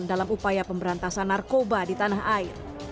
dalam upaya pemberantasan narkoba di tanah air